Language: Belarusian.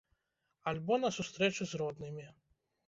Альбо на сустрэчы з роднымі.